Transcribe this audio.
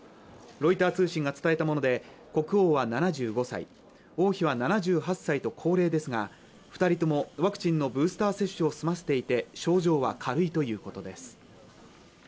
ロイター通信が伝えたもので国王は７５歳、王妃は７８歳と高齢ですが二人ともワクチンのブースター接種を済ませていて症状は軽いということです